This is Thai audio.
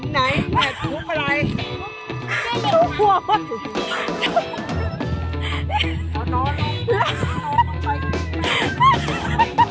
ได้ยังไงได้ยังไงไม่รับตัวไหนไหนแม่ทุบอะไร